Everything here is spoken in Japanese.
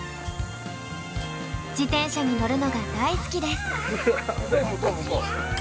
自転車に乗るのが大好きです。